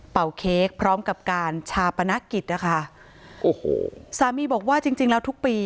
เค้กพร้อมกับการชาปนกิจนะคะโอ้โหสามีบอกว่าจริงจริงแล้วทุกปี